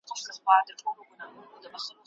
پاکي اوبه د ناروغیو کچه کموي.